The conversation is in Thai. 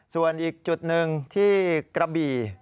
ส่วนอีกจุดหนึ่งที่กระบี่